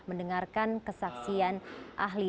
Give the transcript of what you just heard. mendengarkan kesaksian ahli